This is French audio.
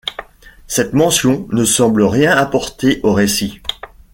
Cette mention ne semble rien apporter au récit.